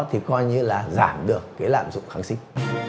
thì coi như là giảm được cái lạm dụng kháng sinh